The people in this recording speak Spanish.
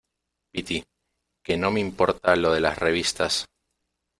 piti, que no me importa lo de las revistas.